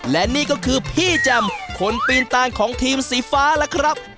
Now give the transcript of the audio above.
และนี่ก็คือพี่แจ่มคนปีนตานของทีมสีฟ้าล่ะครับ